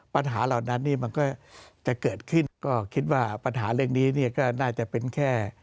ปัญหาเหล่านั้นนี่มันก็จะเกิดขึ้นก็คิดว่าปัญหาเรื่องนี้เนี่ยก็น่าจะเป็นแค่